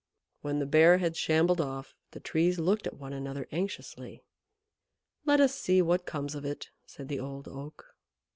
When the Bear had shambled off, the Trees looked at one another anxiously. "Let us see what comes of it," said the Old Oak.